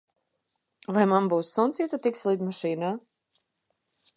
Vai man būs suns, ja tu tiksi lidmašīnā?